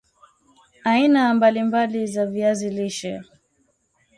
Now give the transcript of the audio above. aina mbali mbali za viazi lishe